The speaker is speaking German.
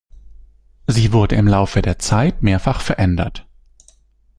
Sie wurde im Laufe der Zeit mehrfach verändert.